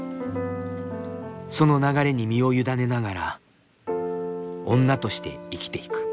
その流れに身を委ねながら女として生きていく。